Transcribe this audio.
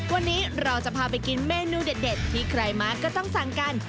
วันนี้เราจะพาไปกินเมนูเด็ดที่ใครมาก็ต้องสั่งกัน